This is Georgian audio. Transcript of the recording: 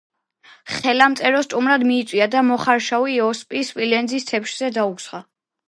მელამ წერო სტუმრად მიიწვია და მოხარშავი ოსპი სპილენძის თეფშზე დაუსხა.